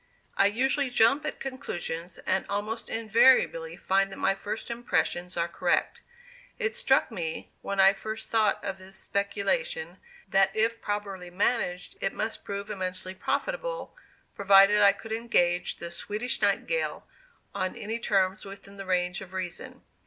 I usually jump at conclusions, and almost invariably find that my first impressions are correct. It struck me, when I first thought of this speculation, that if properly managed it must prove immensely profitable, provided I could engage the "Swedish Nightingale" on any terms within the range of reason.